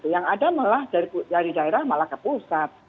yang ada malah dari daerah malah ke pusat